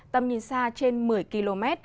tầm nhìn xa trên một mươi km